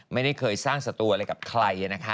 ไม่ได้เคยสร้างศัตรูอะไรกับใครนะคะ